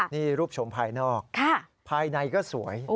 นี่รูปชมภายนอกภายในก็สวย